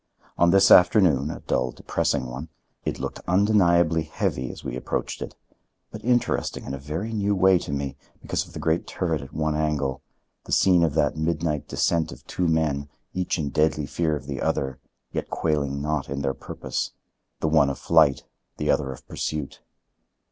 On this afternoon—a dull, depressing one—it looked undeniably heavy as we approached it; but interesting in a very new way to me, because of the great turret at one angle, the scene of that midnight descent of two men, each in deadly fear of the other, yet quailing not in their purpose,—the one of flight, the other of pursuit.